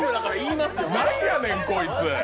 なんやねん、こいつ！